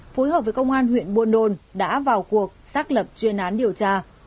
phối hợp với công an huyện buôn đôn đã vào cuộc sát lệnh